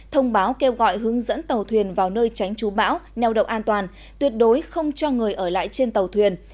thông báo kêu gọi hướng dẫn tàu thuyền vào nơi tránh trú bão neo đậu an toàn tuyệt đối không cho người ở lại trên tàu thuyền